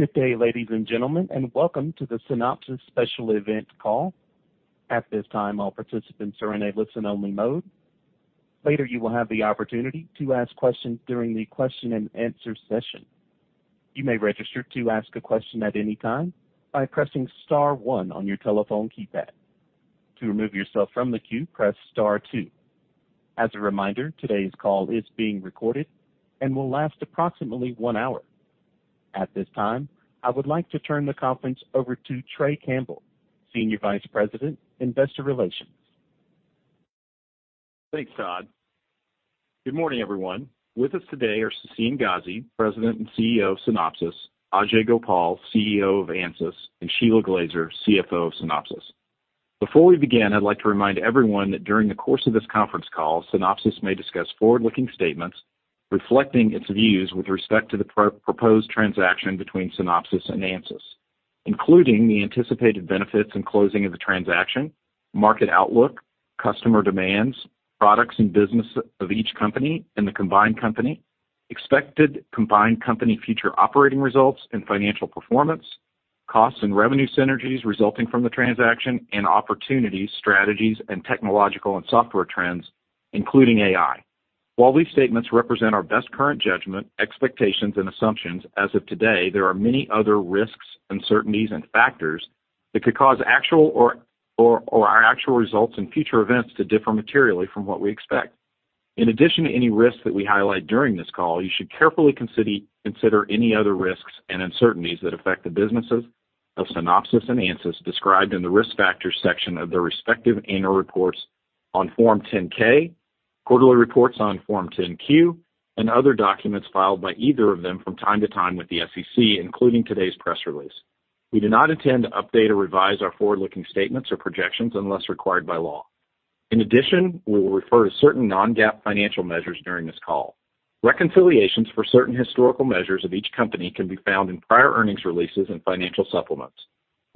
Good day, ladies and gentlemen, and welcome to the Synopsys special event call. At this time, all participants are in a listen-only mode. Later, you will have the opportunity to ask questions during the question and answer session. You may register to ask a question at any time by pressing star one on your telephone keypad. To remove yourself from the queue, press star two. As a reminder, today's call is being recorded and will last approximately one hour. At this time, I would like to turn the conference over to Trey Campbell, Senior Vice President, Investor Relations. Thanks, Todd. Good morning, everyone. With us today are Sassine Ghazi, President and CEO of Synopsys, Ajei Gopal, CEO of Ansys, and Shelagh Glaser, CFO of Synopsys. Before we begin, I'd like to remind everyone that during the course of this conference call, Synopsys may discuss forward-looking statements reflecting its views with respect to the proposed transaction between Synopsys and Ansys, including the anticipated benefits and closing of the transaction, market outlook, customer demands, products and business of each company and the combined company, expected combined company future operating results and financial performance, costs and revenue synergies resulting from the transaction, and opportunities, strategies, and technological and software trends, including AI. While these statements represent our best current judgment, expectations, and assumptions as of today, there are many other risks, uncertainties, and factors that could cause actual results and future events to differ materially from what we expect. In addition to any risks that we highlight during this call, you should carefully consider any other risks and uncertainties that affect the businesses of Synopsys and Ansys described in the Risk Factors section of their respective annual reports on Form 10-K, quarterly reports on Form 10-Q, and other documents filed by either of them from time to time with the SEC, including today's press release. We do not intend to update or revise our forward-looking statements or projections unless required by law. In addition, we will refer to certain non-GAAP financial measures during this call. Reconciliations for certain historical measures of each company can be found in prior earnings releases and financial supplements.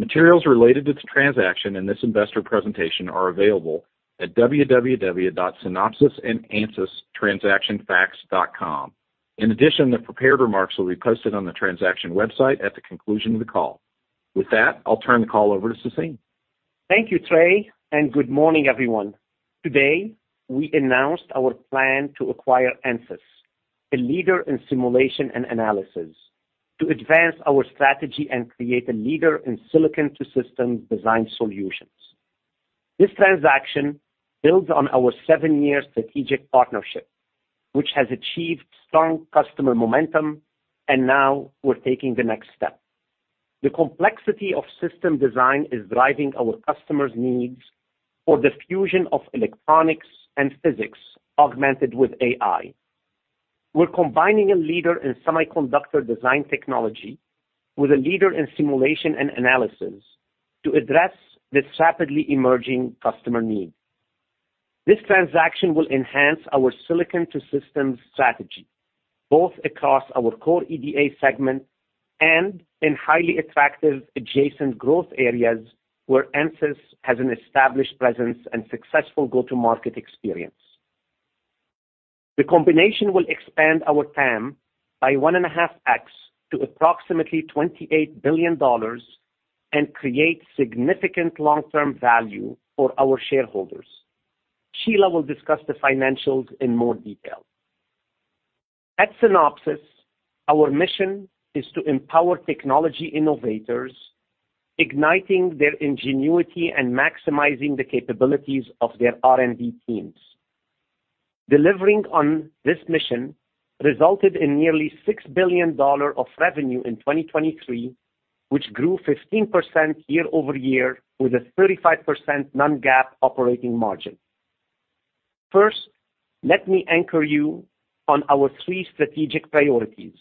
Materials related to the transaction and this investor presentation are available at www.synopsysandansystransactionfacts.com. In addition, the prepared remarks will be posted on the transaction website at the conclusion of the call. With that, I'll turn the call over to Sassine. Thank you, Trey, and good morning, everyone. Today, we announced our plan to acquire Ansys, a leader in simulation and analysis, to advance our strategy and create a leader in silicon-to-systems design solutions. This transaction builds on our seven-year strategic partnership, which has achieved strong customer momentum, and now we're taking the next step. The complexity of system design is driving our customers' needs for the fusion of electronics and physics, augmented with AI. We're combining a leader in semiconductor design technology with a leader in simulation and analysis to address this rapidly emerging customer need. This transaction will enhance our silicon-to-systems strategy, both across our core EDA segment and in highly attractive adjacent growth areas where Ansys has an established presence and successful go-to-market experience. The combination will expand our TAM by 1.5x to approximately $28 billion and create significant long-term value for our shareholders. Shelagh will discuss the financials in more detail. At Synopsys, our mission is to empower technology innovators, igniting their ingenuity and maximizing the capabilities of their R&D teams. Delivering on this mission resulted in nearly $6 billion of revenue in 2023, which grew 15% year-over-year with a 35% non-GAAP operating margin. First, let me anchor you on our 3 strategic priorities: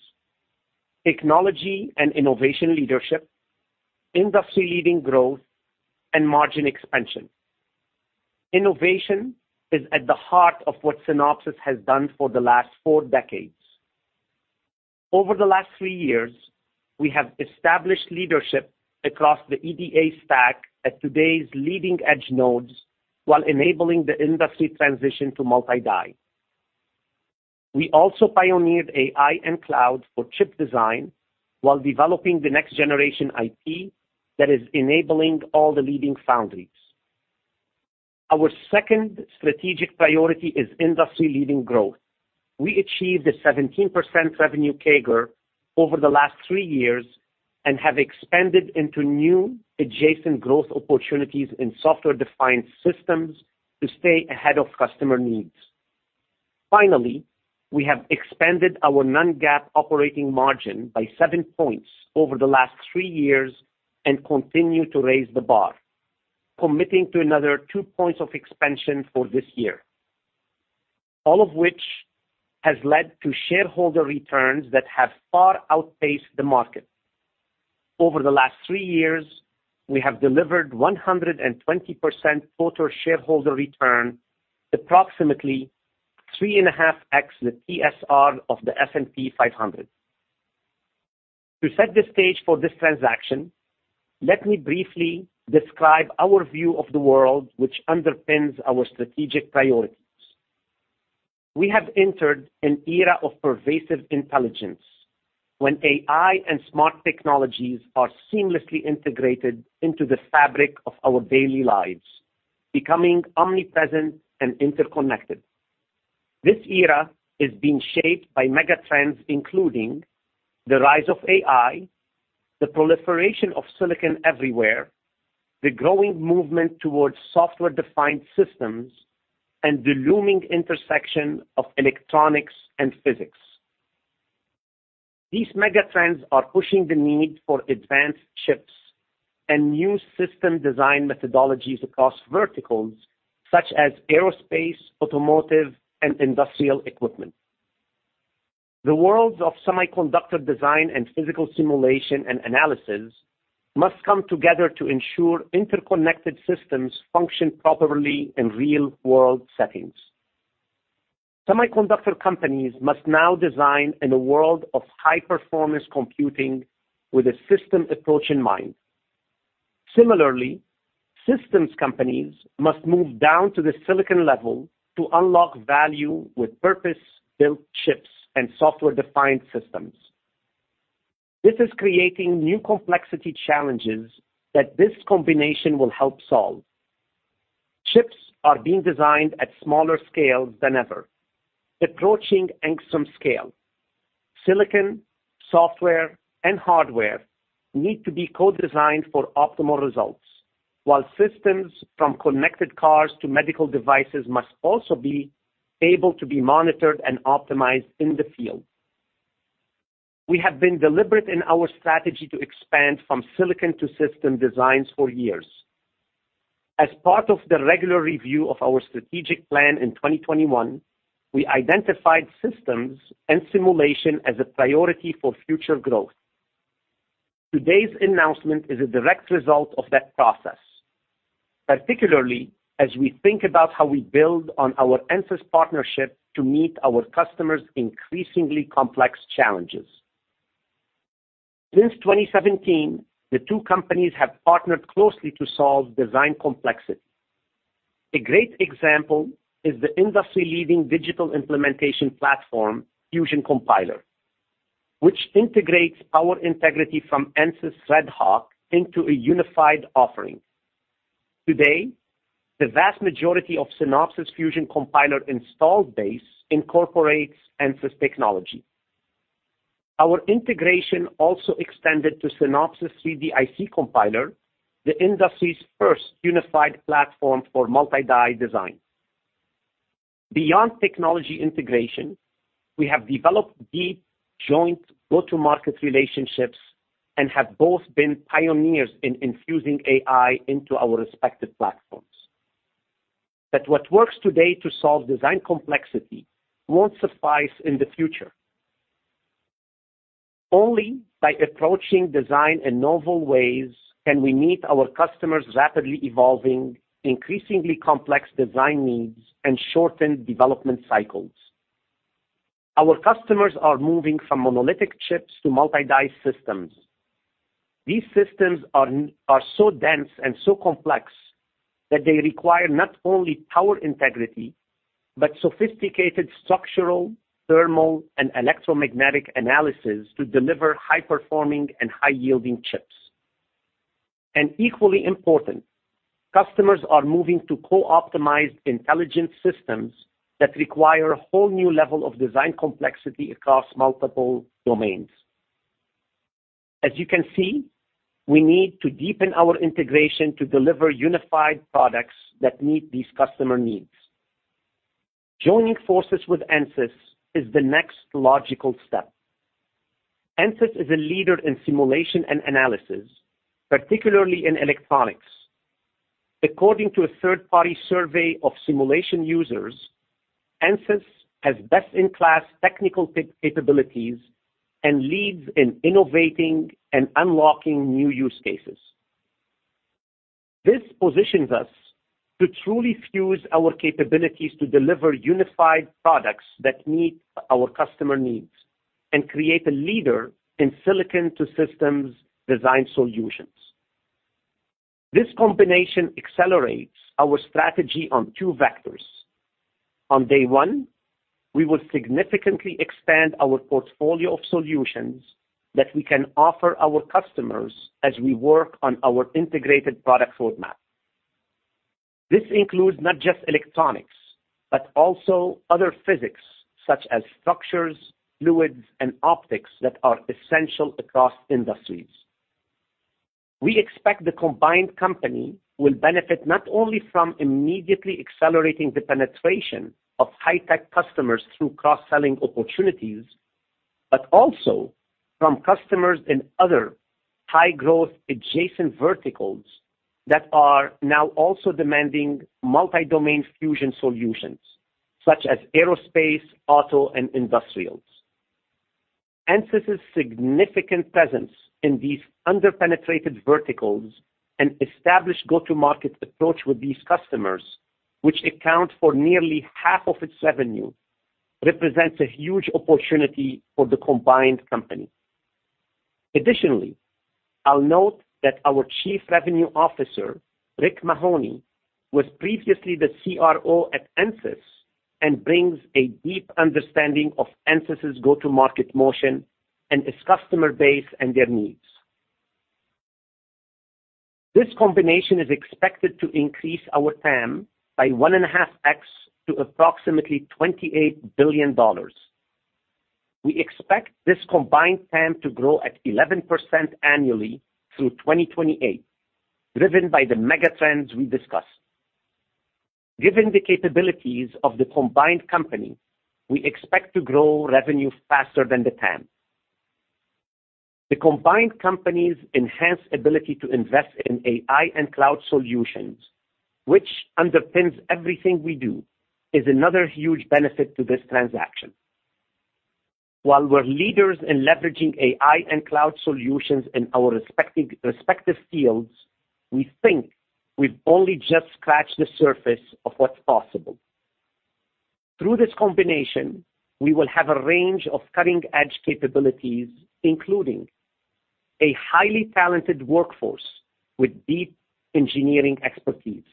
technology and innovation leadership, industry-leading growth, and margin expansion. Innovation is at the heart of what Synopsys has done for the last 4 decades. Over the last 3 years, we have established leadership across the EDA stack at today's leading-edge nodes while enabling the industry transition to multi-die. We also pioneered AI and cloud for chip design while developing the next generation IP that is enabling all the leading foundries. Our second strategic priority is industry-leading growth. We achieved a 17% revenue CAGR over the last 3 years and have expanded into new adjacent growth opportunities in software-defined systems to stay ahead of customer needs. Finally, we have expanded our non-GAAP operating margin by 7 points over the last 3 years and continue to raise the bar, committing to another 2 points of expansion for this year. All of which has led to shareholder returns that have far outpaced the market. Over the last 3 years, we have delivered 120% total shareholder return, approximately 3.5x the TSR of the S&P 500. To set the stage for this transaction, let me briefly describe our view of the world, which underpins our strategic priority. We have entered an era of pervasive intelligence, when AI and smart technologies are seamlessly integrated into the fabric of our daily lives, becoming omnipresent and interconnected. This era is being shaped by megatrends, including the rise of AI, the proliferation of silicon everywhere, the growing movement towards software-defined systems, and the looming intersection of electronics and physics. These megatrends are pushing the need for advanced chips and new system design methodologies across verticals such as aerospace, automotive, and industrial equipment. The worlds of semiconductor design and physical simulation and analysis must come together to ensure interconnected systems function properly in real-world settings. Semiconductor companies must now design in a world of high-performance computing with a system approach in mind. Similarly, systems companies must move down to the silicon level to unlock value with purpose-built chips and software-defined systems. This is creating new complexity challenges that this combination will help solve. Chips are being designed at smaller scales than ever, approaching Angstrom scale. Silicon, software, and hardware need to be co-designed for optimal results, while systems from connected cars to medical devices must also be able to be monitored and optimized in the field. We have been deliberate in our strategy to expand from silicon to system designs for years. As part of the regular review of our strategic plan in 2021, we identified systems and simulation as a priority for future growth. Today's announcement is a direct result of that process, particularly as we think about how we build on our Ansys partnership to meet our customers' increasingly complex challenges. Since 2017, the two companies have partnered closely to solve design complexity. A great example is the industry-leading digital implementation platform, Fusion Compiler, which integrates power integrity from Ansys RedHawk into a unified offering. Today, the vast majority of Synopsys Fusion Compiler installed base incorporates Ansys technology. Our integration also extended to Synopsys 3D IC Compiler, the industry's first unified platform for multi-die design. Beyond technology integration, we have developed deep joint go-to-market relationships and have both been pioneers in infusing AI into our respective platforms. But what works today to solve design complexity won't suffice in the future. Only by approaching design in novel ways can we meet our customers' rapidly evolving, increasingly complex design needs and shortened development cycles. Our customers are moving from monolithic chips to multi-die systems. These systems are so dense and so complex that they require not only power integrity, but sophisticated structural, thermal, and electromagnetic analysis to deliver high-performing and high-yielding chips. Equally important, customers are moving to co-optimized intelligent systems that require a whole new level of design complexity across multiple domains. As you can see, we need to deepen our integration to deliver unified products that meet these customer needs. Joining forces with Ansys is the next logical step. Ansys is a leader in simulation and analysis, particularly in electronics. According to a third-party survey of simulation users, Ansys has best-in-class technical capabilities and leads in innovating and unlocking new use cases. This positions us to truly fuse our capabilities to deliver unified products that meet our customer needs and create a leader in silicon to systems design solutions. This combination accelerates our strategy on two vectors. On day one, we will significantly expand our portfolio of solutions that we can offer our customers as we work on our integrated product roadmap. This includes not just electronics, but also other physics such as structures, fluids, and optics that are essential across industries. We expect the combined company will benefit not only from immediately accelerating the penetration of high-tech customers through cross-selling opportunities, but also from customers in other high-growth adjacent verticals that are now also demanding multi-domain fusion solutions such as aerospace, auto, and industrials. Ansys' significant presence in these under-penetrated verticals and established go-to-market approach with these customers, which account for nearly half of its revenue, represents a huge opportunity for the combined company. Additionally, I'll note that our Chief Revenue Officer, Rick Mahoney, was previously the CRO at Ansys and brings a deep understanding of Ansys' go-to-market motion and its customer base and their needs. This combination is expected to increase our TAM by 1.5x to approximately $28 billion. We expect this combined TAM to grow at 11% annually through 2028, driven by the mega trends we discussed. Given the capabilities of the combined company, we expect to grow revenue faster than the TAM. The combined company's enhanced ability to invest in AI and cloud solutions, which underpins everything we do, is another huge benefit to this transaction. While we're leaders in leveraging AI and cloud solutions in our respective, respective fields, we think we've only just scratched the surface of what's possible. Through this combination, we will have a range of cutting-edge capabilities, including a highly talented workforce with deep engineering expertise,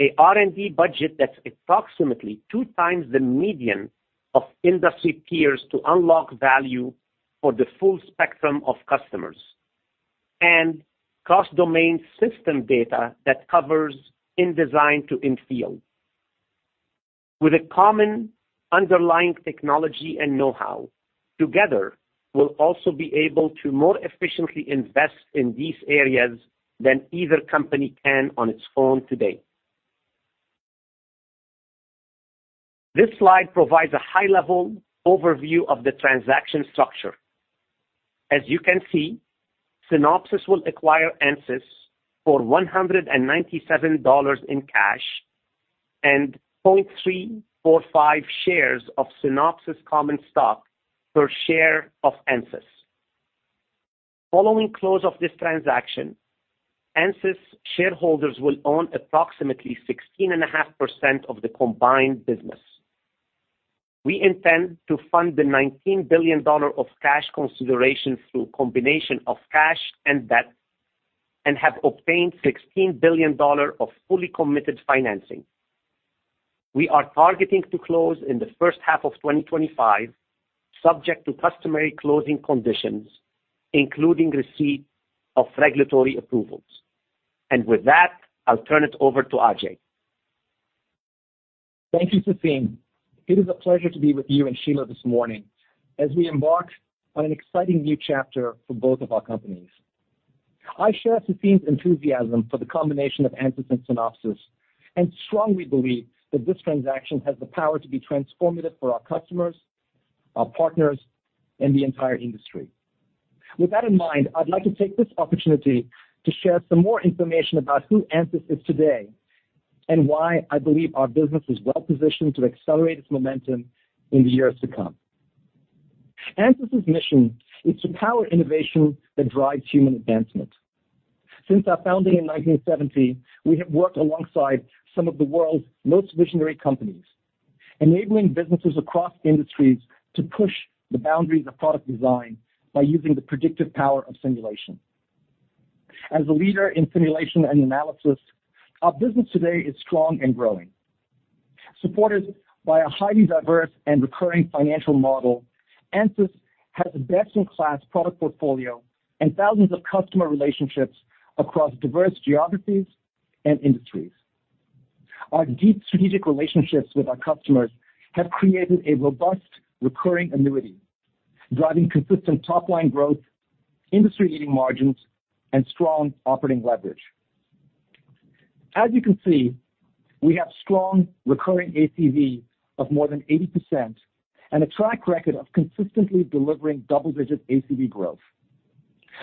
a R&D budget that's approximately 2 times the median of industry peers to unlock value for the full spectrum of customers, and cross-domain system data that covers In-Design to In-Field. With a common underlying technology and know-how, together, we'll also be able to more efficiently invest in these areas than either company can on its own today. This slide provides a high-level overview of the transaction structure. As you can see, Synopsys will acquire Ansys for $197 in cash and 0.345 shares of Synopsys common stock per share of Ansys. Following close of this transaction, Ansys shareholders will own approximately 16.5% of the combined business. We intend to fund the $19 billion of cash consideration through a combination of cash and debt and have obtained $16 billion of fully committed financing. We are targeting to close in the first half of 2025, subject to customary closing conditions, including receipt of regulatory approvals. With that, I'll turn it over to Ajei. Thank you, Sassine. It is a pleasure to be with you and Shelagh this morning as we embark on an exciting new chapter for both of our companies. I share Sassine's enthusiasm for the combination of Ansys and Synopsys, and strongly believe that this transaction has the power to be transformative for our customers, our partners, and the entire industry. With that in mind, I'd like to take this opportunity to share some more information about who Ansys is today and why I believe our business is well positioned to accelerate its momentum in the years to come. Ansys' mission is to power innovation that drives human advancement. Since our founding in 1970, we have worked alongside some of the world's most visionary companies, enabling businesses across industries to push the boundaries of product design by using the predictive power of simulation. As a leader in simulation and analysis, our business today is strong and growing. Supported by a highly diverse and recurring financial model, Ansys has a best-in-class product portfolio and thousands of customer relationships across diverse geographies and industries. Our deep strategic relationships with our customers have created a robust, recurring annuity, driving consistent top-line growth, industry-leading margins, and strong operating leverage. As you can see, we have strong recurring ACV of more than 80% and a track record of consistently delivering double-digit ACV growth.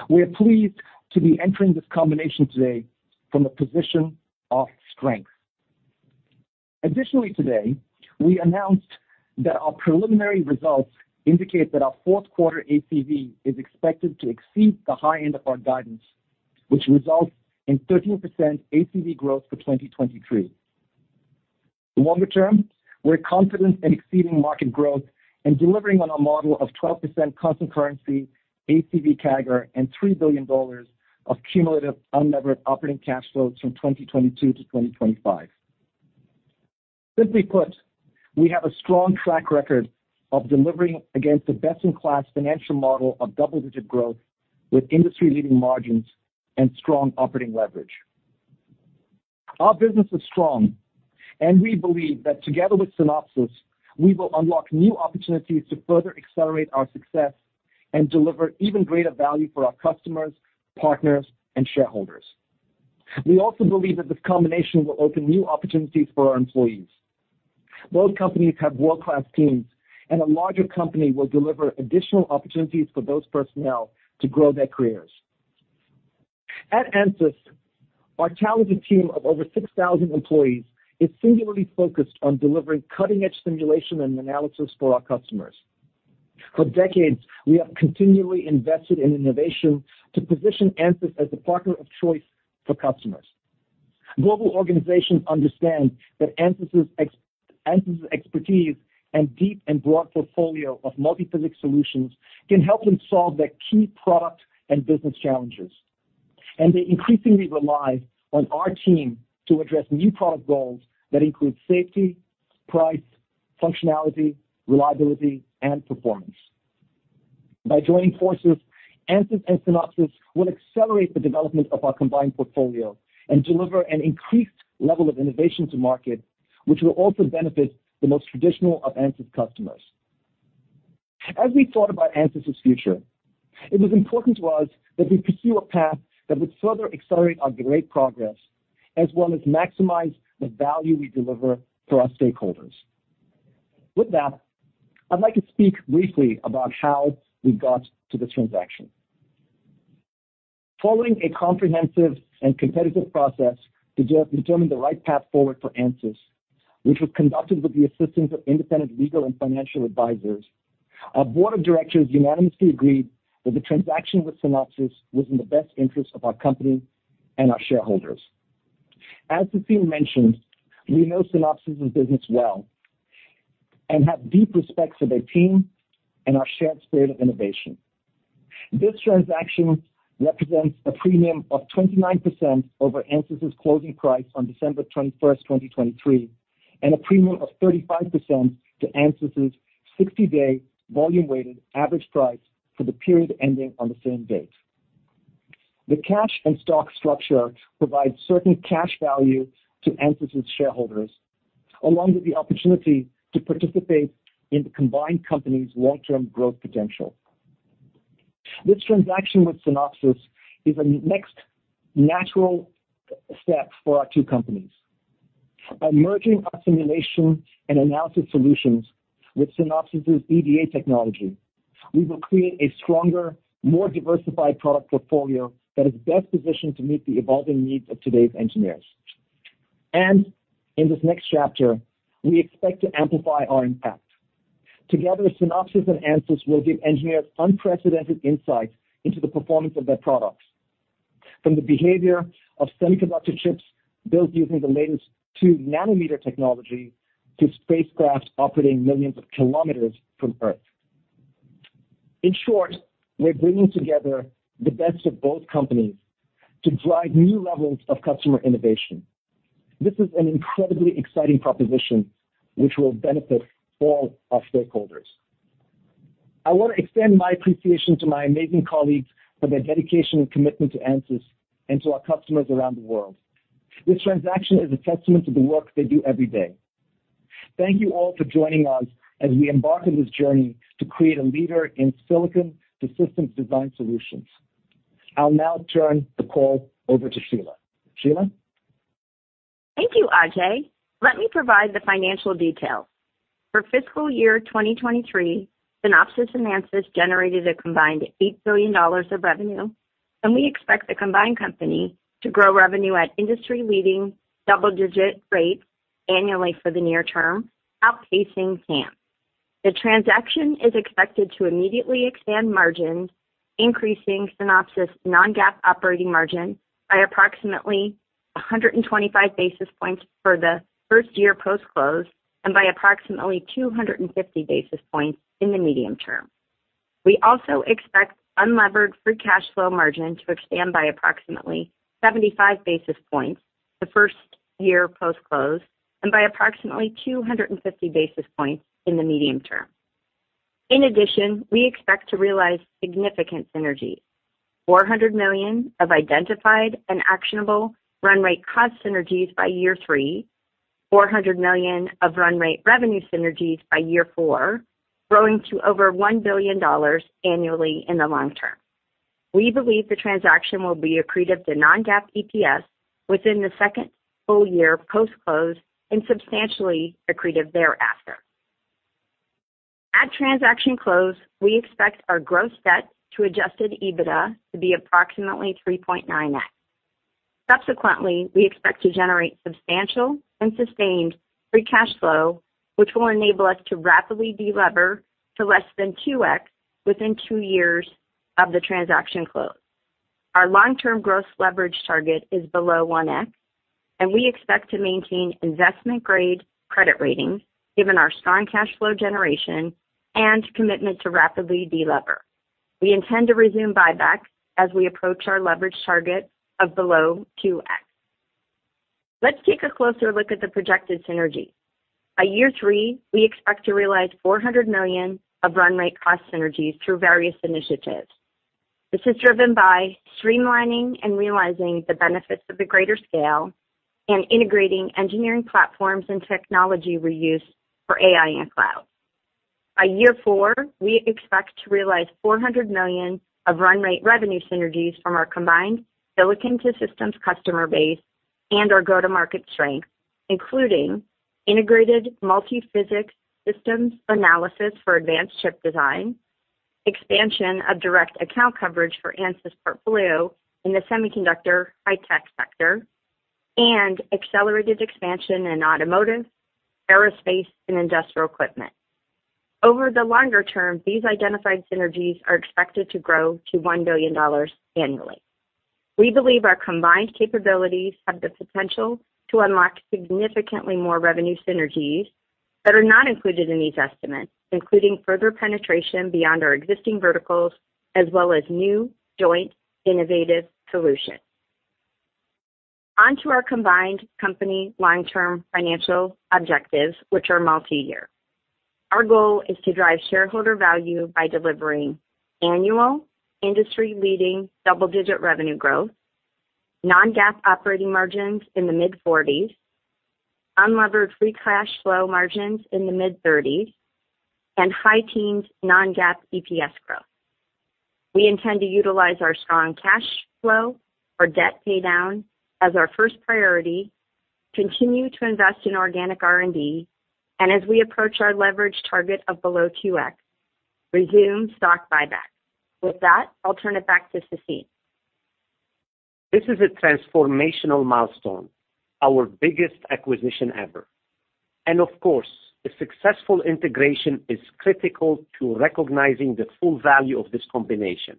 We are pleased to be entering this combination today from a position of strength. Additionally, today, we announced that our preliminary results indicate that our fourth quarter ACV is expected to exceed the high end of our guidance, which results in 13% ACV growth for 2023. Longer term, we're confident in exceeding market growth and delivering on a model of 12% constant currency, ACV CAGR, and $3 billion of cumulative unlevered operating cash flows from 2022 to 2025. Simply put, we have a strong track record of delivering against a best-in-class financial model of double-digit growth with industry-leading margins and strong operating leverage. Our business is strong, and we believe that together with Synopsys, we will unlock new opportunities to further accelerate our success and deliver even greater value for our customers, partners, and shareholders. We also believe that this combination will open new opportunities for our employees. Both companies have world-class teams, and a larger company will deliver additional opportunities for those personnel to grow their careers. At Ansys, our talented team of over 6,000 employees is singularly focused on delivering cutting-edge simulation and analysis for our customers. For decades, we have continually invested in innovation to position Ansys as a partner of choice for customers. Global organizations understand that Ansys' expertise and deep and broad portfolio of multiphysics solutions can help them solve their key product and business challenges. They increasingly rely on our team to address new product goals that include safety, price, functionality, reliability, and performance. By joining forces, Ansys and Synopsys will accelerate the development of our combined portfolio and deliver an increased level of innovation to market, which will also benefit the most traditional of Ansys customers. As we thought about Ansys' future, it was important to us that we pursue a path that would further accelerate our great progress, as well as maximize the value we deliver to our stakeholders. With that, I'd like to speak briefly about how we got to this transaction. Following a comprehensive and competitive process to determine the right path forward for Ansys, which was conducted with the assistance of independent legal and financial advisors, our board of directors unanimously agreed that the transaction with Synopsys was in the best interest of our company and our shareholders. As Sassine mentioned, we know Synopsys' business well and have deep respect for their team and our shared spirit of innovation. This transaction represents a premium of 29% over Ansys' closing price on December 21, 2023, and a premium of 35% to Ansys' 60-day volume-weighted average price for the period ending on the same date. The cash and stock structure provides certain cash value to Ansys' shareholders, along with the opportunity to participate in the combined company's long-term growth potential. This transaction with Synopsys is a next natural step for our two companies. By merging our simulation and analysis solutions with Synopsys' EDA technology, we will create a stronger, more diversified product portfolio that is best positioned to meet the evolving needs of today's engineers. In this next chapter, we expect to amplify our impact. Together, Synopsys and Ansys will give engineers unprecedented insight into the performance of their products, from the behavior of semiconductor chips built using the latest 2-nanometer technology, to spacecraft operating millions of kilometers from Earth. In short, we're bringing together the best of both companies to drive new levels of customer innovation. This is an incredibly exciting proposition, which will benefit all our stakeholders. I want to extend my appreciation to my amazing colleagues for their dedication and commitment to Ansys and to our customers around the world. This transaction is a testament to the work they do every day. Thank you all for joining us as we embark on this journey to create a leader in silicon-to-systems design solutions. I'll now turn the call over to Shelagh. Shelagh? Thank you, Ajei. Let me provide the financial details. For fiscal year 2023, Synopsys and Ansys generated a combined $8 billion of revenue, and we expect the combined company to grow revenue at industry-leading double-digit rates annually for the near term, outpacing CAGR. The transaction is expected to immediately expand margins, increasing Synopsys' non-GAAP operating margin by approximately 125 basis points for the first year post-close, and by approximately 250 basis points in the medium term. We also expect unlevered free cash flow margin to expand by approximately 75 basis points the first year post-close, and by approximately 250 basis points in the medium term. In addition, we expect to realize significant synergies: $400 million of identified and actionable run rate cost synergies by year 3, $400 million of run rate revenue synergies by year 4, growing to over $1 billion annually in the long term. We believe the transaction will be accretive to non-GAAP EPS within the second full year post-close and substantially accretive thereafter. At transaction close, we expect our gross debt to adjusted EBITDA to be approximately 3.9x. Subsequently, we expect to generate substantial and sustained free cash flow, which will enable us to rapidly de-lever to less than 2x within 2 years of the transaction close. Our long-term gross leverage target is below 1x, and we expect to maintain investment-grade credit rating, given our strong cash flow generation and commitment to rapidly de-lever. We intend to resume buyback as we approach our leverage target of below 2x. Let's take a closer look at the projected synergies. By year three, we expect to realize $400 million of run rate cost synergies through various initiatives. This is driven by streamlining and realizing the benefits of the greater scale and integrating engineering platforms and technology reuse for AI and cloud. By year four, we expect to realize $400 million of run rate revenue synergies from our combined silicon to systems customer base and our go-to-market strength, including integrated multiphysics systems analysis for advanced chip design, expansion of direct account coverage for Ansys portfolio in the semiconductor high-tech sector, and accelerated expansion in automotive, aerospace, and industrial equipment.... Over the longer term, these identified synergies are expected to grow to $1 billion annually. We believe our combined capabilities have the potential to unlock significantly more revenue synergies that are not included in these estimates, including further penetration beyond our existing verticals, as well as new joint innovative solutions. On to our combined company long-term financial objectives, which are multi-year. Our goal is to drive shareholder value by delivering annual industry-leading double-digit revenue growth, non-GAAP operating margins in the mid-forties, unlevered free cash flow margins in the mid-thirties, and high teens non-GAAP EPS growth. We intend to utilize our strong cash flow for debt paydown as our first priority, continue to invest in organic R&D, and as we approach our leverage target of below 2x, resume stock buyback. With that, I'll turn it back to Sassine. This is a transformational milestone, our biggest acquisition ever. Of course, a successful integration is critical to recognizing the full value of this combination.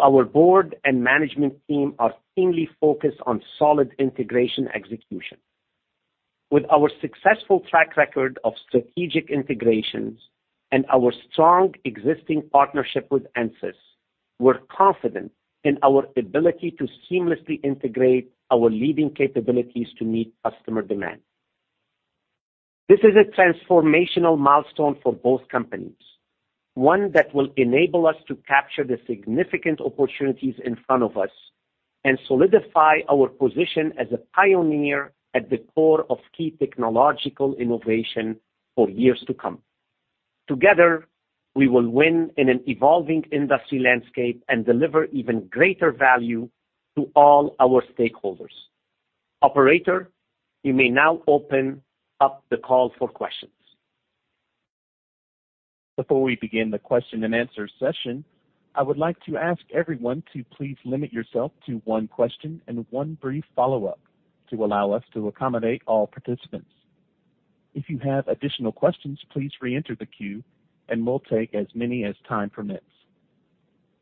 Our board and management team are keenly focused on solid integration execution. With our successful track record of strategic integrations and our strong existing partnership with Ansys, we're confident in our ability to seamlessly integrate our leading capabilities to meet customer demand. This is a transformational milestone for both companies, one that will enable us to capture the significant opportunities in front of us and solidify our position as a pioneer at the core of key technological innovation for years to come. Together, we will win in an evolving industry landscape and deliver even greater value to all our stakeholders. Operator, you may now open up the call for questions. Before we begin the question-and-answer session, I would like to ask everyone to please limit yourself to one question and one brief follow-up to allow us to accommodate all participants. If you have additional questions, please reenter the queue, and we'll take as many as time permits.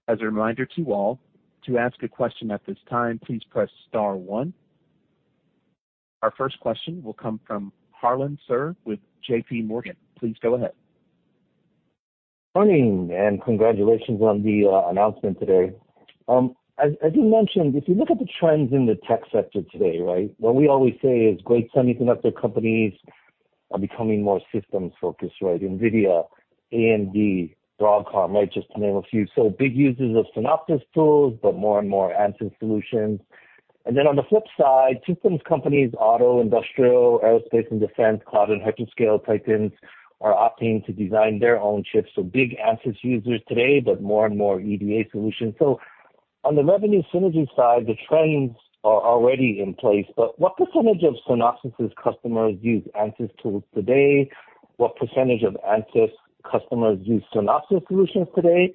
As a reminder to all, to ask a question at this time, please press star one. Our first question will come from Harlan Sur with JPMorgan. Please go ahead. Morning, and congratulations on the announcement today. As you mentioned, if you look at the trends in the tech sector today, right? What we always say is great semiconductor companies are becoming more systems-focused, right? NVIDIA, AMD, Broadcom, right, just to name a few. So big users of Synopsys tools, but more and more Ansys solutions. And then on the flip side, systems companies, auto, industrial, aerospace and defense, cloud and hyperscale titans are opting to design their own chips. So big Ansys users today, but more and more EDA solutions. So on the revenue synergy side, the trends are already in place, but what percentage of Synopsys' customers use Ansys tools today? What percentage of Ansys customers use Synopsys solutions today,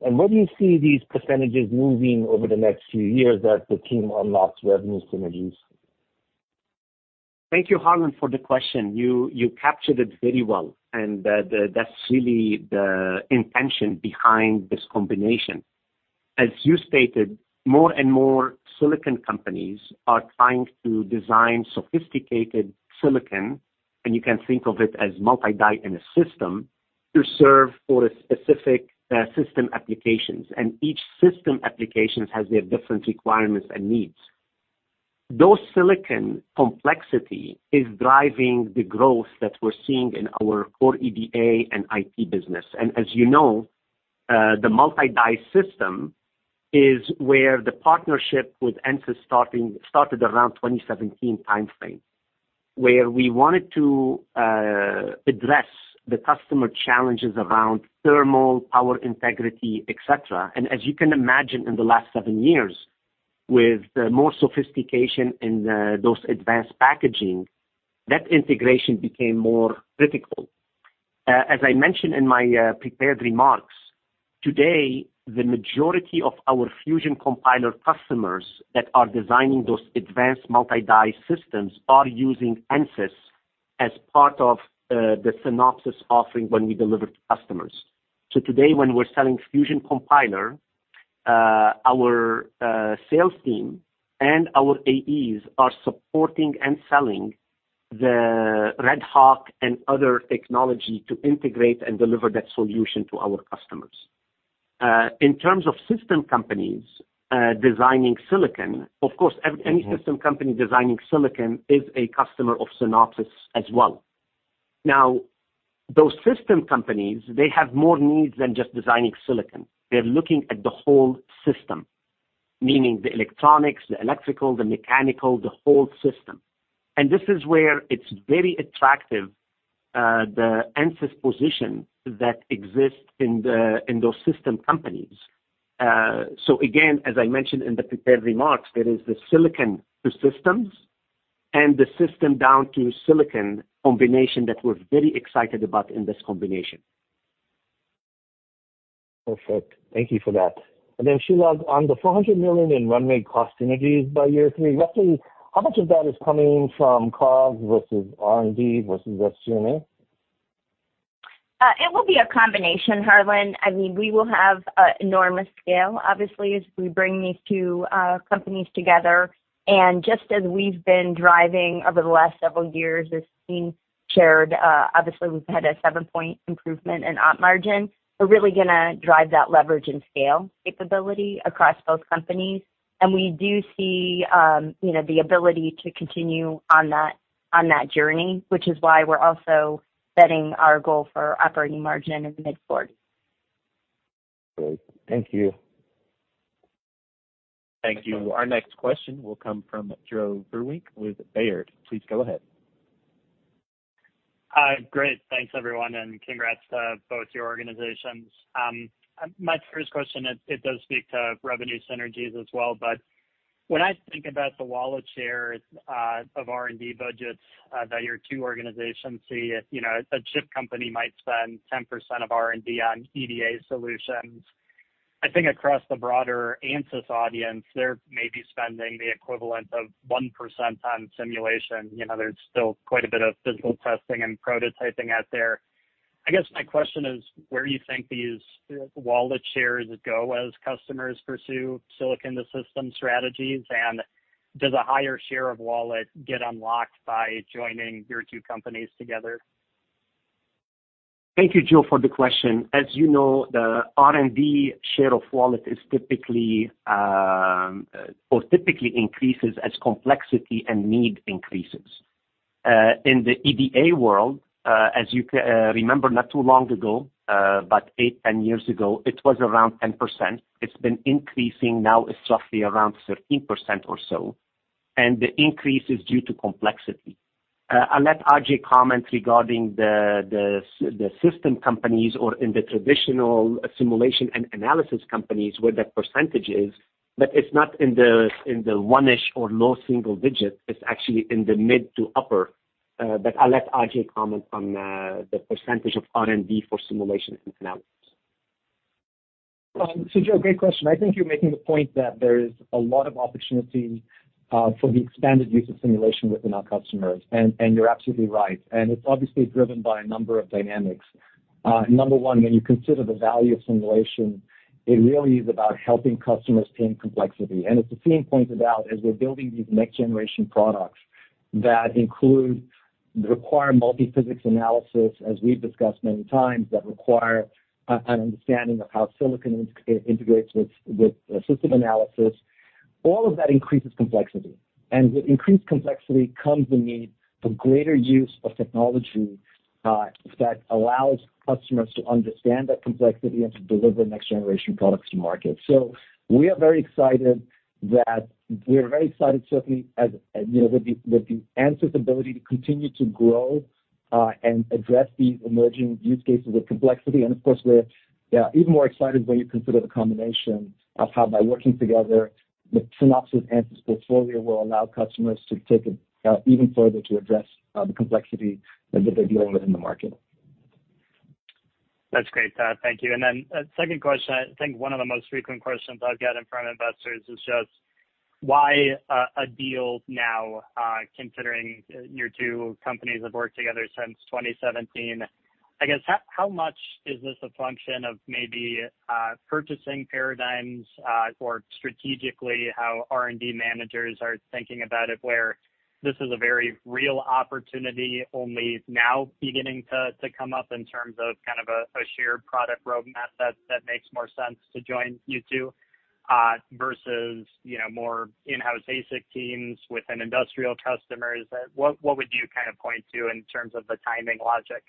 and where do you see these percentages moving over the next few years as the team unlocks revenue synergies? Thank you, Harlan, for the question. You captured it very well, and the, that's really the intention behind this combination. As you stated, more and more silicon companies are trying to design sophisticated silicon, and you can think of it as multi-die in a system, to serve for a specific system applications, and each system applications has their different requirements and needs. Those silicon complexity is driving the growth that we're seeing in our core EDA and IT business. And as you know, the multi-die system is where the partnership with Ansys started around 2017 timeframe, where we wanted to address the customer challenges around thermal, power, integrity, et cetera. And as you can imagine, in the last seven years, with more sophistication in those advanced packaging, that integration became more critical. As I mentioned in my prepared remarks, today, the majority of our Fusion Compiler customers that are designing those advanced multi-die systems are using Ansys as part of the Synopsys offering when we deliver to customers. So today, when we're selling Fusion Compiler, our sales team and our AEs are supporting and selling the RedHawk and other technology to integrate and deliver that solution to our customers. In terms of system companies designing silicon, of course, any system company designing silicon is a customer of Synopsys as well. Now, those system companies, they have more needs than just designing silicon. They're looking at the whole system, meaning the electronics, the electrical, the mechanical, the whole system. And this is where it's very attractive, the Ansys position that exists in those system companies. So again, as I mentioned in the prepared remarks, there is the silicon to systems and the system down to silicon combination that we're very excited about in this combination. Perfect. Thank you for that. And then Shelagh, on the $400 million in runway cost synergies by year three, roughly how much of that is coming from COGS versus R&D versus SG&A? It will be a combination, Harlan. I mean, we will have enormous scale, obviously, as we bring these two companies together. And just as we've been driving over the last several years, as Sassine shared, obviously we've had a 7-point improvement in op margin. We're really going to drive that leverage and scale capability across both companies. And we do see, you know, the ability to continue on that, on that journey, which is why we're also setting our goal for operating margin in the mid-forties. Great. Thank you. Thank you. Our next question will come from Joe Vruwink with Baird. Please go ahead. Great. Thanks, everyone, and congrats to both your organizations. My first question, it does speak to revenue synergies as well, but when I think about the wallet share of R&D budgets that your two organizations see, you know, a chip company might spend 10% of R&D on EDA solutions. I think across the broader Ansys audience, they're maybe spending the equivalent of 1% on simulation. You know, there's still quite a bit of physical testing and prototyping out there. I guess my question is, where do you think these wallet shares go as customers pursue silicon to system strategies? And does a higher share of wallet get unlocked by joining your two companies together? Thank you, Joe, for the question. As you know, the R&D share of wallet is typically, or typically increases as complexity and need increases. In the EDA world, as you remember, not too long ago, about 8-10 years ago, it was around 10%. It's been increasing. Now, it's roughly around 13% or so, and the increase is due to complexity. I'll let Ajei comment regarding the, the, the system companies or in the traditional simulation and analysis companies, where the percentage is, but it's not in the, in the one-ish or low single digit. It's actually in the mid to upper. But I'll let Ajei comment on, the percentage of R&D for simulation and analysis. So Joe, great question. I think you're making the point that there is a lot of opportunity for the expanded use of simulation within our customers, and you're absolutely right. It's obviously driven by a number of dynamics. Number one, when you consider the value of simulation, it really is about helping customers tame complexity. And as Sassine pointed out, as we're building these next-generation products that require multiphysics analysis, as we've discussed many times, that require an understanding of how silicon integrates with system analysis, all of that increases complexity. And with increased complexity comes the need for greater use of technology that allows customers to understand that complexity and to deliver next-generation products to market. So we are very excited that we're very excited, certainly, as you know, with the Ansys ability to continue to grow, and address these emerging use cases with complexity. And of course, we're, yeah, even more excited when you consider the combination of how by working together, the Synopsys Ansys portfolio will allow customers to take it even further to address the complexity that they're dealing with in the market. That's great. Thank you. And then a second question, I think one of the most frequent questions I've gotten from investors is just why a deal now, considering your two companies have worked together since 2017? I guess, how much is this a function of maybe purchasing paradigms, or strategically, how R&D managers are thinking about it, where this is a very real opportunity only now beginning to come up in terms of kind of a shared product roadmap that makes more sense to join you two, versus, you know, more in-house basic teams with an industrial customer? Is that what would you kind of point to in terms of the timing logic?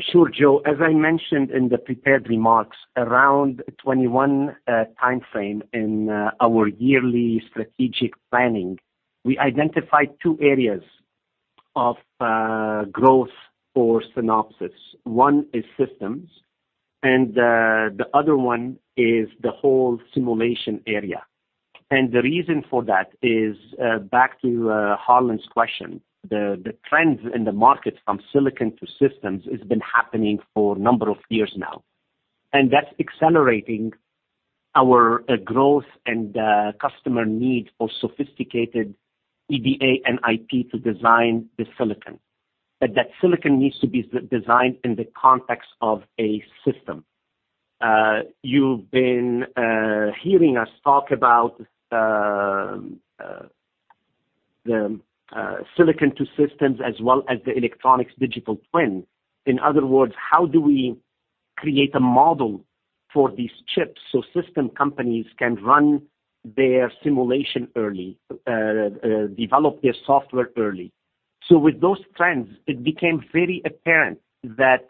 Sure, Joe. As I mentioned in the prepared remarks, around 2021 timeframe in our yearly strategic planning, we identified two areas of growth for Synopsys. One is systems, and the other one is the whole simulation area. The reason for that is, back to Harlan's question, the trends in the market from silicon to systems has been happening for a number of years now, and that's accelerating our growth and customer need for sophisticated EDA and IP to design the silicon. But that silicon needs to be de-designed in the context of a system. You've been hearing us talk about the silicon to systems as well as the electronics digital twin. In other words, how do we create a model for these chips so system companies can run their simulation early, develop their software early? So with those trends, it became very apparent that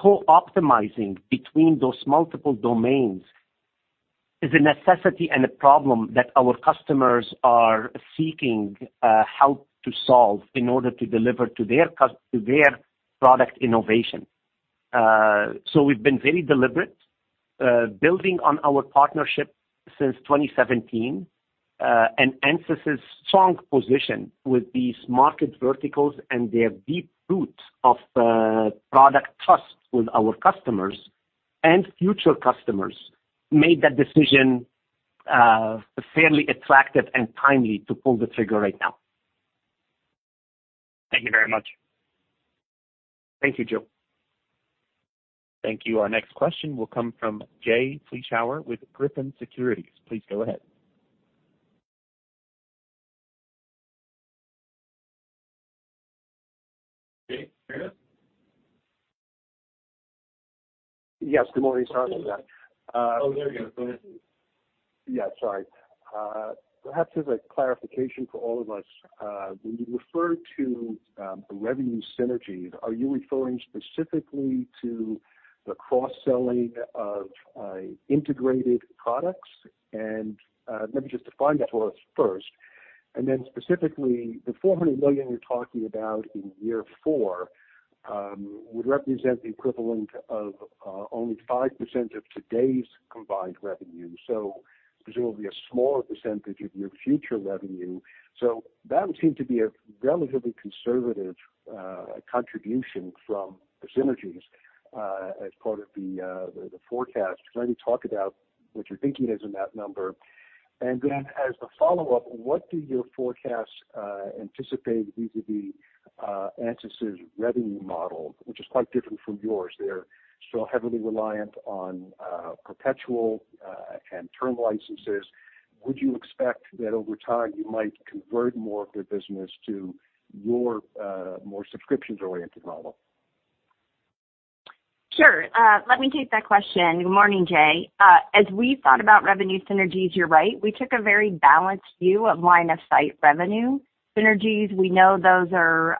co-optimizing between those multiple domains is a necessity and a problem that our customers are seeking help to solve in order to deliver to their product innovation. So we've been very deliberate building on our partnership since 2017, and Ansys' strong position with these market verticals and their deep roots of product trust with our customers and future customers, made that decision fairly attractive and timely to pull the trigger right now. Thank you very much. Thank you, Joe. Thank you. Our next question will come from Jay Vleeschhouwer with Griffin Securities. Please go ahead. Jay, are you there? Yes, good morning. Sorry about that. Oh, there you go. Go ahead. Yeah, sorry. Perhaps as a clarification for all of us, when you refer to the revenue synergies, are you referring specifically to the cross-selling of integrated products? And let me just define that for us first. And then specifically, the $400 million you're talking about in year four would represent the equivalent of only 5% of today's combined revenue, so presumably a smaller percentage of your future revenue. So that would seem to be a relatively conservative contribution from the synergies as part of the forecast. Can you talk about what you're thinking is in that number? And then, as a follow-up, what do your forecasts anticipate vis-a-vis Ansys' revenue model, which is quite different from yours? They're still heavily reliant on perpetual and term licenses. Would you expect that over time you might convert more of their business to your, more subscriptions-oriented model? Sure. Let me take that question. Good morning, Jay. As we thought about revenue synergies, you're right, we took a very balanced view of line of sight revenue synergies. We know those are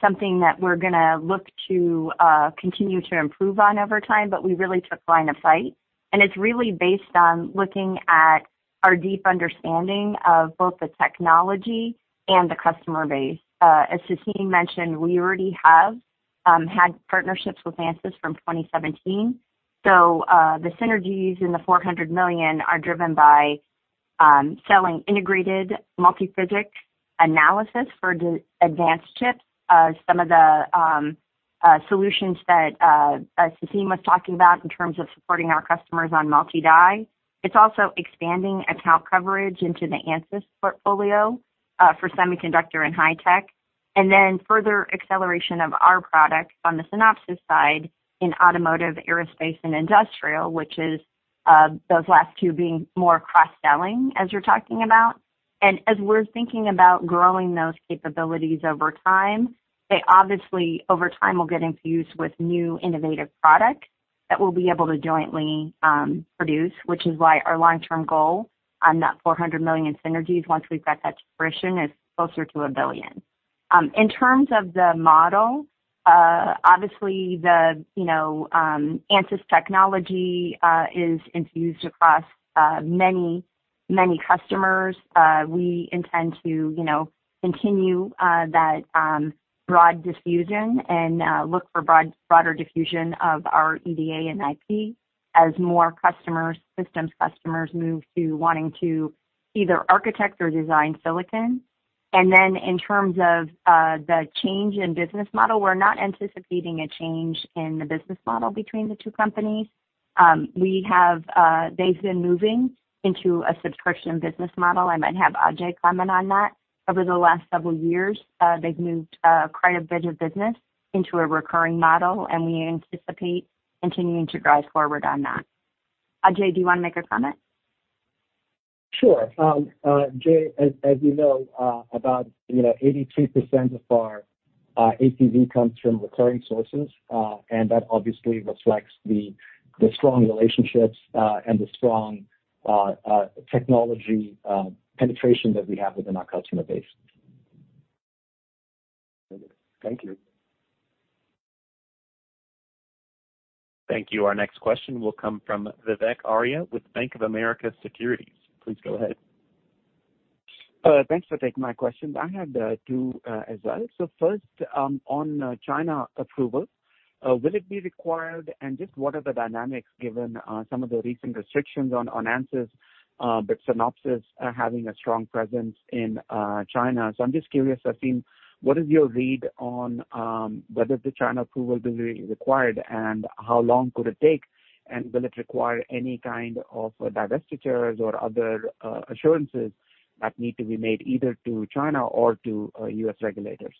something that we're gonna look to continue to improve on over time, but we really took line of sight. And it's really based on looking at our deep understanding of both the technology and the customer base. As Sassine mentioned, we already have had partnerships with Ansys from 2017, so the synergies in the $400 million are driven by selling integrated multi-physics analysis for the advanced chips. Some of the solutions that Sassine was talking about in terms of supporting our customers on multi-die. It's also expanding account coverage into the Ansys portfolio for semiconductor and high tech, and then further acceleration of our products on the Synopsys side in automotive, aerospace, and industrial, which is those last two being more cross-selling, as you're talking about. And as we're thinking about growing those capabilities over time, they obviously, over time, will get infused with new innovative product that we'll be able to jointly produce, which is why our long-term goal on that $400 million synergies, once we've got that to fruition, is closer to $1 billion. In terms of the model, obviously, the you know Ansys technology is infused across many, many customers. We intend to, you know, continue that broad diffusion and look for broader diffusion of our EDA and IP as more customers, systems customers move to wanting to either architect or design silicon. And then in terms of the change in business model, we're not anticipating a change in the business model between the two companies. We have... They've been moving into a subscription business model. I might have Ajei comment on that. Over the last several years, they've moved quite a bit of business into a recurring model, and we anticipate continuing to drive forward on that. Ajei, do you want to make a comment? Sure. Jay, as you know, about, you know, 82% of our ACV comes from recurring sources, and that obviously reflects the strong relationships and the strong technology penetration that we have within our customer base. Thank you. Thank you. Our next question will come from Vivek Arya with Bank of America Securities. Please go ahead. Thanks for taking my questions. I have two as well. So first, on China approval, will it be required? And just what are the dynamics, given some of the recent restrictions on Ansys, but Synopsys are having a strong presence in China. So I'm just curious, Sassine, what is your read on whether the China approval will be required, and how long could it take? And will it require any kind of divestitures or other assurances that need to be made either to China or to U.S. regulators?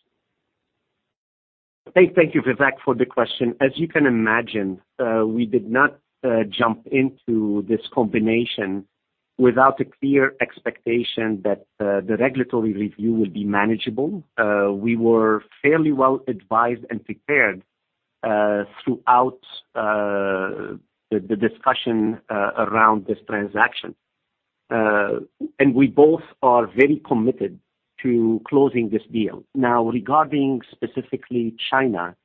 Hey, thank you, Vivek, for the question. As you can imagine, we did not jump into this combination without a clear expectation that the regulatory review will be manageable. We were fairly well advised and prepared throughout the discussion around this transaction. And we both are very committed to closing this deal. Now, regarding specifically China,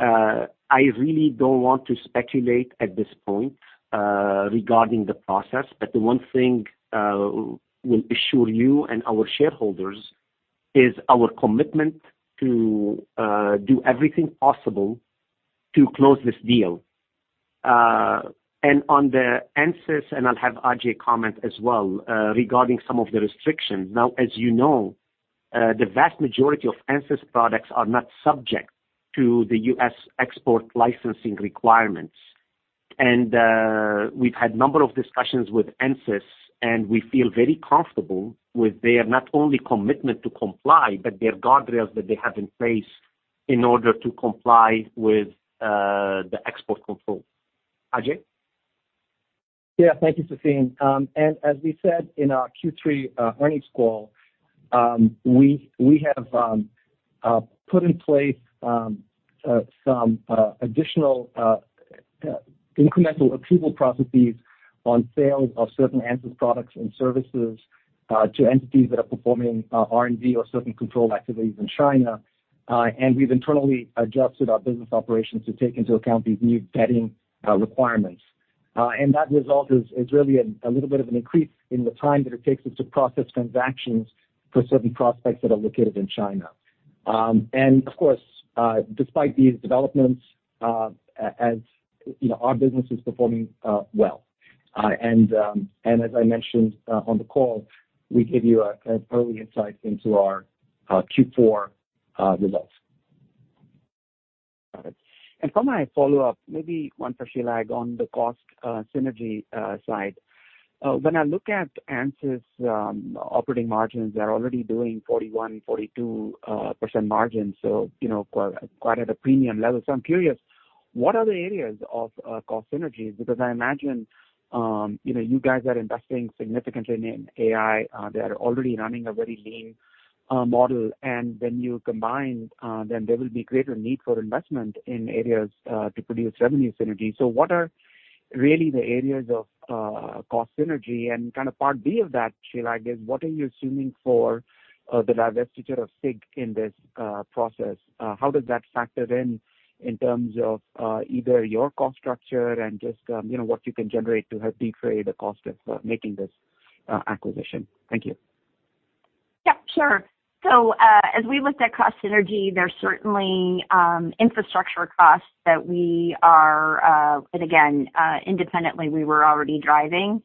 I really don't want to speculate at this point regarding the process, but the one thing we'll assure you and our shareholders is our commitment to do everything possible to close this deal. And on the Ansys, and I'll have Ajei comment as well, regarding some of the restrictions. Now, as you know, the vast majority of Ansys products are not subject to the U.S. export licensing requirements. We've had number of discussions with Ansys, and we feel very comfortable with their not only commitment to comply, but their guardrails that they have in place in order to comply with the export control. Ajei? Yeah, thank you, Sassine. And as we said in our Q3 earnings call, we have put in place some additional incremental approval processes on sales of certain Ansys products and services to entities that are performing R&D or certain controlled activities in China. And we've internally adjusted our business operations to take into account these new vetting requirements. And that result is really a little bit of an increase in the time that it takes us to process transactions for certain prospects that are located in China. And of course, despite these developments, as you know, our business is performing well. And as I mentioned on the call, we gave you an early insight into our Q4 results. Got it. For my follow-up, maybe one for Shelagh on the cost synergy side. When I look at Ansys operating margins, they're already doing 41-42% margins, so you know, quite, quite at a premium level. So I'm curious, what are the areas of cost synergies? Because I imagine, you know, you guys are investing significantly in AI. They are already running a very lean model, and when you combine, then there will be greater need for investment in areas to produce revenue synergy. So what are really the areas of cost synergy? And kind of part B of that, Shelagh, is what are you assuming for the divestiture of SIG in this process? How does that factor in, in terms of, either your cost structure and just, you know, what you can generate to help defray the cost of making this acquisition? Thank you. Yeah, sure. So, as we looked at cost synergy, there's certainly infrastructure costs that we are. And again, independently, we were already driving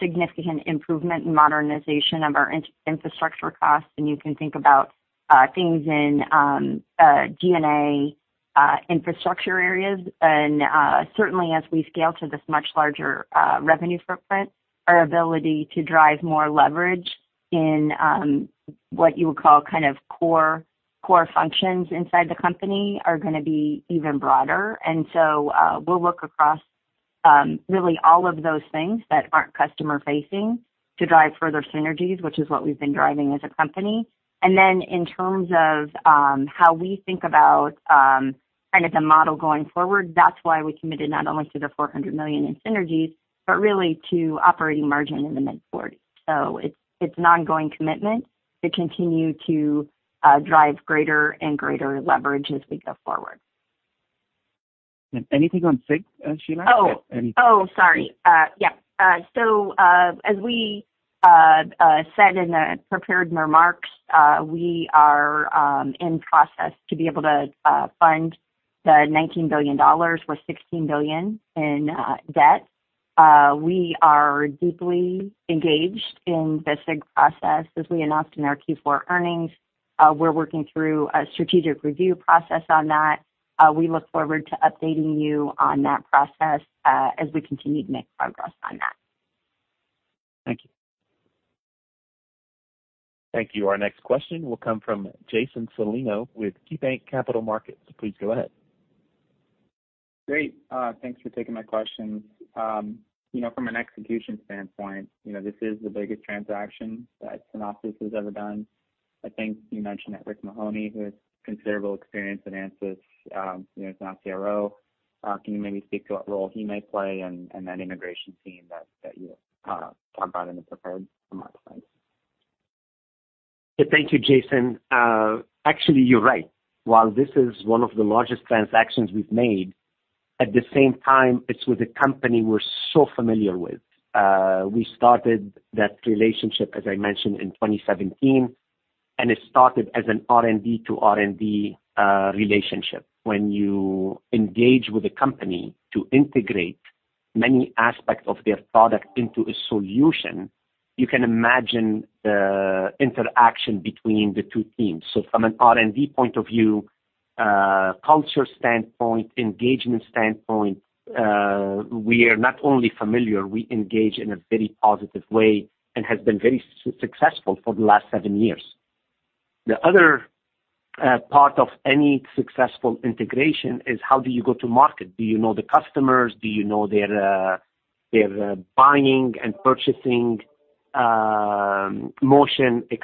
significant improvement in modernization of our infrastructure costs, and you can think about things in G&A infrastructure areas. And certainly as we scale to this much larger revenue footprint, our ability to drive more leverage in what you would call kind of core, core functions inside the company are gonna be even broader. And so, we'll look across really all of those things that aren't customer-facing to drive further synergies, which is what we've been driving as a company. And then in terms of how we think about kind of the model going forward, that's why we committed not only to the $400 million in synergies but really to operating margin in the mid-40s. So it's, it's an ongoing commitment to continue to drive greater and greater leverage as we go forward. Anything on SIG, Shelagh? Oh. Any- Oh, sorry. Yeah. So, as we said in the prepared remarks, we are in process to be able to fund the $19 billion with $16 billion in debt. We are deeply engaged in the SIG process. As we announced in our Q4 earnings, we're working through a strategic review process on that. We look forward to updating you on that process, as we continue to make progress on that. Thank you. Thank you. Our next question will come from Jason Celino with KeyBanc Capital Markets. Please go ahead. Great. Thanks for taking my questions. You know, from an execution standpoint, you know, this is the biggest transaction that Synopsys has ever done. I think you mentioned that Rick Mahoney, who has considerable experience at Ansys, you know, is now CRO. Can you maybe speak to what role he may play and that integration team that you talked about in the prepared remarks, thanks? Yeah. Thank you, Jason. Actually, you're right. While this is one of the largest transactions we've made, at the same time, it's with a company we're so familiar with. We started that relationship, as I mentioned, in 2017, and it started as an R&D to R&D relationship. When you engage with a company to integrate many aspects of their product into a solution, you can imagine the interaction between the two teams. So from an R&D point of view, culture standpoint, engagement standpoint, we are not only familiar, we engage in a very positive way and has been very successful for the last seven years. The other part of any successful integration is how do you go to market? Do you know the customers? Do you know their buying and purchasing motion, et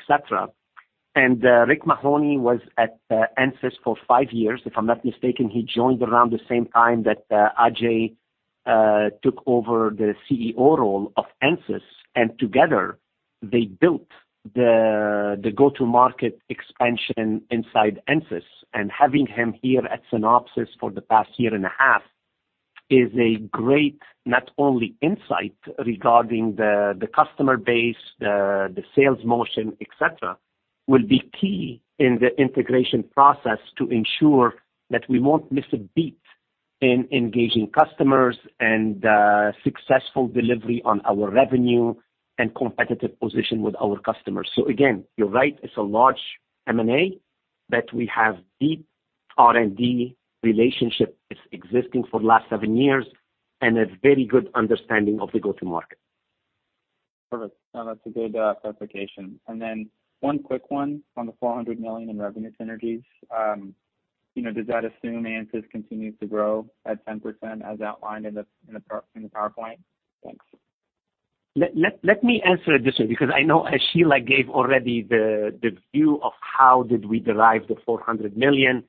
cetera? Rick Mahoney was at Ansys for five years. If I'm not mistaken, he joined around the same time that Ajei took over the CEO role of Ansys, and together, they built the go-to-market expansion inside Ansys. Having him here at Synopsys for the past year and a half is a great, not only insight regarding the customer base, the sales motion, et cetera, will be key in the integration process to ensure that we won't miss a beat in engaging customers and successful delivery on our revenue and competitive position with our customers. So again, you're right, it's a large M&A, but we have deep R&D relationship. It's existing for the last seven years and a very good understanding of the go-to-market. Perfect. No, that's a good clarification. And then one quick one on the $400 million in revenue synergies. You know, does that assume Ansys continues to grow at 10%, as outlined in the PowerPoint? Thanks. Let me answer it this way, because I know as Shelagh gave already the view of how did we derive the $400 million.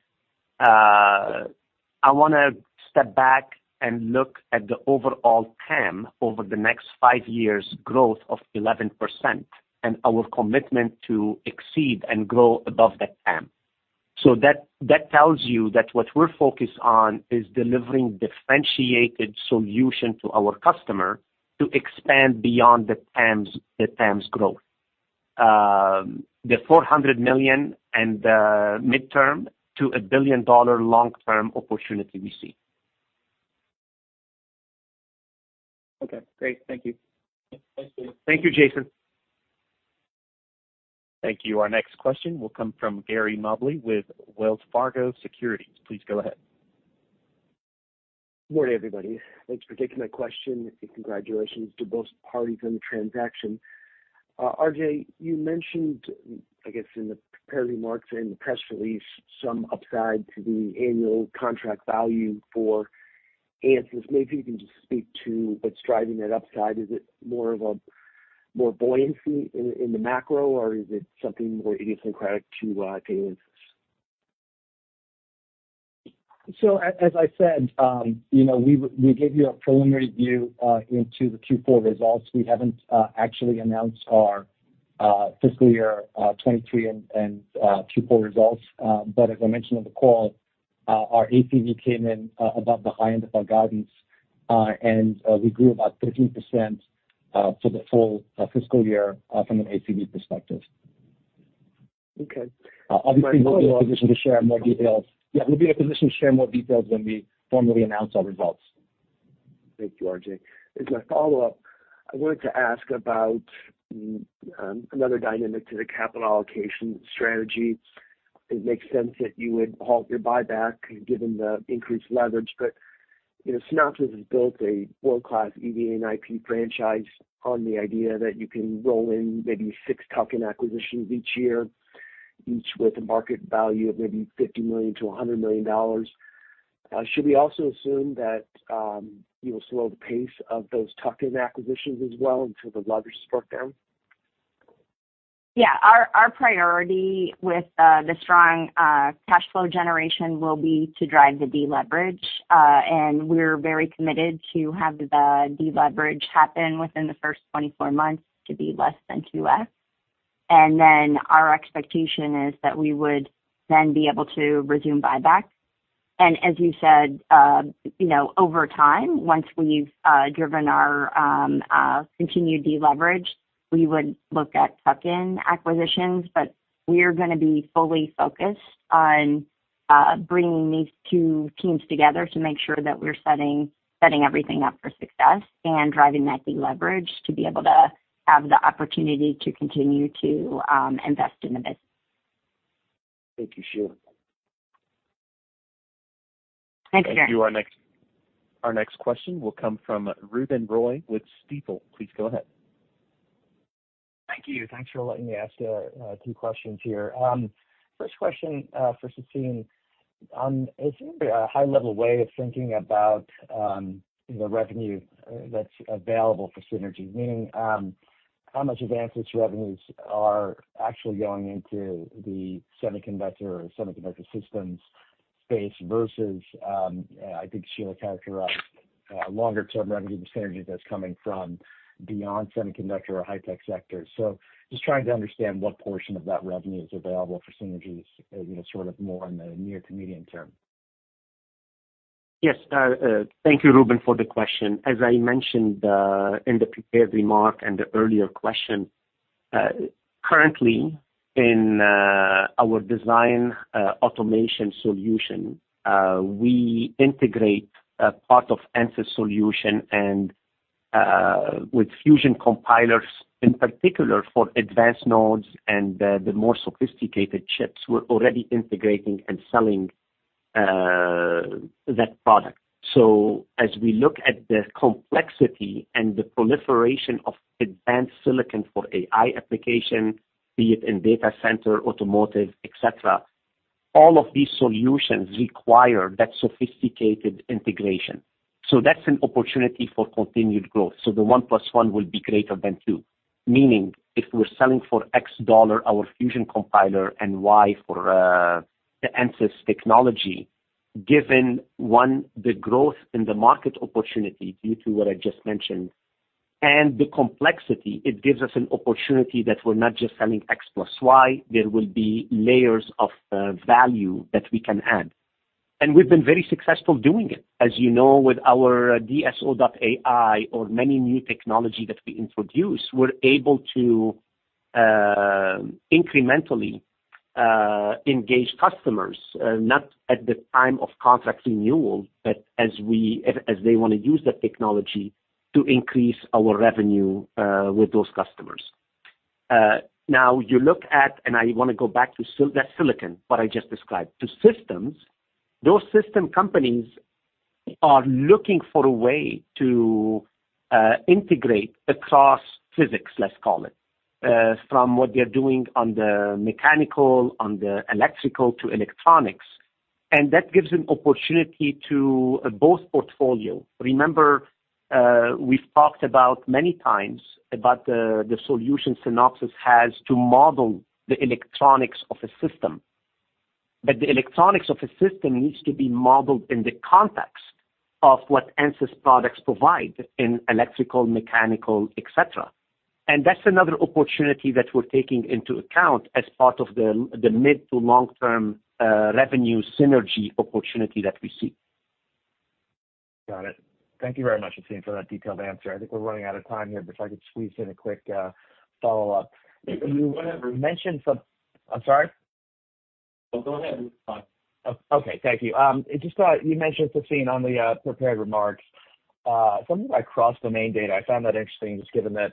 I want to step back and look at the overall TAM over the next 5 years growth of 11%, and our commitment to exceed and grow above that TAM. So that tells you that what we're focused on is delivering differentiated solution to our customer to expand beyond the TAM's, the TAM's growth. The $400 million and the midterm to a billion-dollar long-term opportunity we see. Okay, great. Thank you. Thank you, Jason. Thank you. Our next question will come from Gary Mobley with Wells Fargo Securities. Please go ahead. Good morning, everybody. Thanks for taking my question, and congratulations to both parties on the transaction. Ajei, you mentioned, I guess in the prepared remarks and the press release, some upside to the annual contract value for Ansys. Maybe you can just speak to what's driving that upside. Is it more of a buoyancy in the macro, or is it something more idiosyncratic to Ansys? So as I said, you know, we gave you a preliminary view into the Q4 results. We haven't actually announced our fiscal year 2023 and Q4 results. But as I mentioned on the call, our ACV came in above the high end of our guidance, and we grew about 13% for the full fiscal year from an ACV perspective. Okay. Obviously, we'll be in a position to share more details. Yeah, we'll be in a position to share more details when we formally announce our results. Thank you, Ajei. As a follow-up, I wanted to ask about, another dynamic to the capital allocation strategy. It makes sense that you would halt your buyback given the increased leverage, but, you know, Synopsys has built a world-class EDA and IP franchise on the idea that you can roll in maybe six tuck-in acquisitions each year, each with a market value of maybe $50 million-$100 million. Should we also assume that, you'll slow the pace of those tuck-in acquisitions as well until the leverage is brought down? Yeah. Our priority with the strong cash flow generation will be to drive the deleverage, and we're very committed to have the deleverage happen within the first 24 months to be less than 2x. And then our expectation is that we would then be able to resume buyback. And as you said, you know, over time, once we've driven our continued deleverage, we would look at tuck-in acquisitions. But we are going to be fully focused on bringing these two teams together to make sure that we're setting everything up for success and driving that deleverage to be able to have the opportunity to continue to invest in the business. Thank you, Shelagh. Thanks, Gary. Thank you. Our next question will come from Ruben Roy with Stifel. Please go ahead. Thank you. Thanks for letting me ask two questions here. First question for Sassine. Is there a high-level way of thinking about the revenue that's available for synergies, meaning how much of Ansys revenues are actually going into the semiconductor or semiconductor systems space versus I think Shelagh characterized longer-term revenue from synergies that's coming from beyond semiconductor or high-tech sectors. So just trying to understand what portion of that revenue is available for synergies, you know, sort of more in the near to medium term. Yes. Thank you, Ruben, for the question. As I mentioned, in the prepared remark and the earlier question, currently in our design automation solution, we integrate a part of Ansys solution and with Fusion Compilers in particular for advanced nodes and the more sophisticated chips, we're already integrating and selling that product. So as we look at the complexity and the proliferation of advanced silicon for AI application, be it in data center, automotive, et cetera, all of these solutions require that sophisticated integration. So that's an opportunity for continued growth. So the 1 + 1 will be greater than 2. Meaning, if we're selling for $X our Fusion Compiler and $Y for the Ansys technology, given, one, the growth in the market opportunity due to what I just mentioned-... and the complexity, it gives us an opportunity that we're not just selling X plus Y, there will be layers of value that we can add. And we've been very successful doing it. As you know, with our DSO.ai or many new technology that we introduce, we're able to incrementally engage customers not at the time of contract renewal, but as they wanna use that technology to increase our revenue with those customers. Now, you look at, and I wanna go back to that silicon, what I just described, to systems. Those system companies are looking for a way to integrate across physics, let's call it, from what they're doing on the mechanical, on the electrical to electronics. And that gives an opportunity to both portfolio. Remember, we've talked about many times about the solution Synopsys has to model the electronics of a system. But the electronics of a system needs to be modeled in the context of what Ansys products provide in electrical, mechanical, et cetera. And that's another opportunity that we're taking into account as part of the mid- to long-term revenue synergy opportunity that we see. Got it. Thank you very much, Sassine, for that detailed answer. I think we're running out of time here, but if I could squeeze in a quick follow-up. You mentioned. I'm sorry? No, go ahead, Ruben. Okay, thank you. I just thought you mentioned on the prepared remarks something about cross-domain data. I found that interesting, just given that,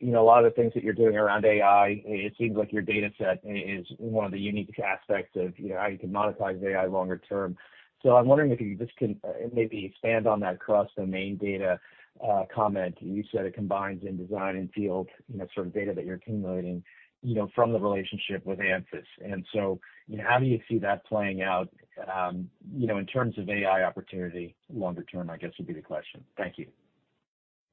you know, a lot of the things that you're doing around AI, it seems like your data set is one of the unique aspects of, you know, how you can modify the AI longer term. So I'm wondering if you just can maybe expand on that cross-domain data comment. You said it combines in design and field, you know, sort of data that you're accumulating, you know, from the relationship with Ansys. And so, you know, how do you see that playing out, you know, in terms of AI opportunity longer term, I guess, would be the question. Thank you.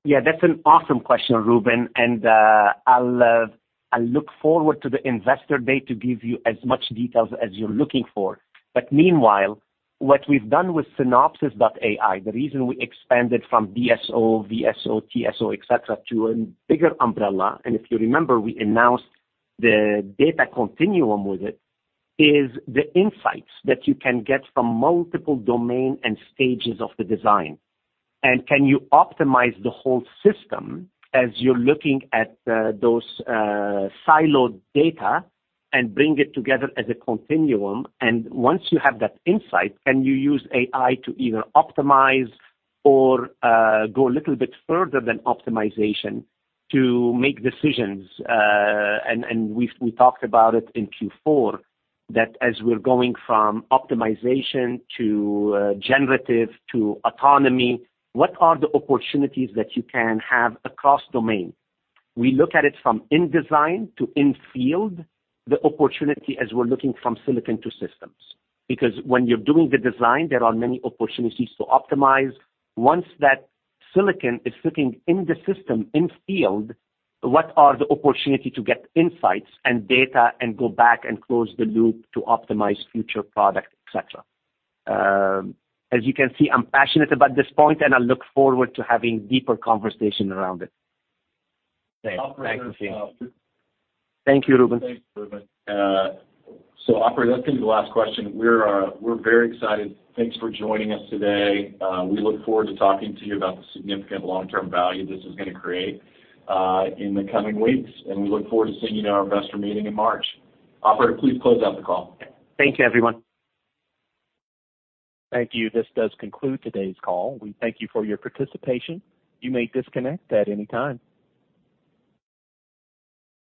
Yeah, that's an awesome question, Ruben, and I'll, I look forward to the Investor Day to give you as much details as you're looking for. But meanwhile, what we've done with Synopsys.ai, the reason we expanded from DSO, VSO, TSO, et cetera, to a bigger umbrella, and if you remember, we announced the Data Continuum with it, is the insights that you can get from multiple domain and stages of the design. And can you optimize the whole system as you're looking at those siloed data and bring it together as a continuum? And once you have that insight, can you use AI to either optimize or go a little bit further than optimization to make decisions? And we've talked about it in Q4, that as we're going from optimization to generative to autonomy, what are the opportunities that you can have across domain? We look at it from in design to in field, the opportunity as we're looking from silicon to systems, because when you're doing the design, there are many opportunities to optimize. Once that silicon is sitting in the system, in field, what are the opportunity to get insights and data and go back and close the loop to optimize future product, et cetera? As you can see, I'm passionate about this point, and I look forward to having deeper conversation around it. Thanks. Thank you, Sassine. Thank you, Ruben. So operator, that's gonna be the last question. We're very excited. Thanks for joining us today. We look forward to talking to you about the significant long-term value this is gonna create in the coming weeks, and we look forward to seeing you in our investor meeting in March. Operator, please close out the call. Thank you, everyone. Thank you. This does conclude today's call. We thank you for your participation. You may disconnect at any time.